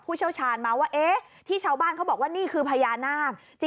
เชี่ยวชาญมาว่าเอ๊ะที่ชาวบ้านเขาบอกว่านี่คือพญานาค